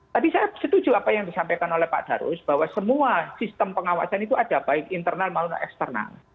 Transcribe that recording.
tapi saya setuju apa yang disampaikan oleh pak darus bahwa semua sistem pengawasan itu ada baik internal maupun eksternal